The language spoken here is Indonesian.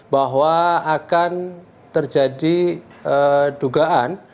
bahwa akan terjadi dugaan